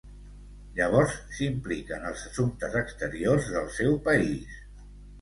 Llavors, s'implica en els assumptes exteriors del seu país.